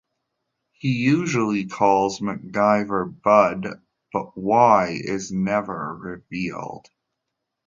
He usually calls MacGyver "Bud," but why is never revealed.